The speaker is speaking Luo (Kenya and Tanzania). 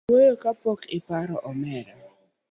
We wuoyo kapok iparo omera.